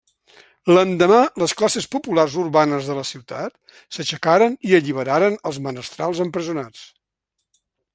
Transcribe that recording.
L'endemà les classes populars urbanes de la ciutat s'aixecaren i alliberaren els menestrals empresonats.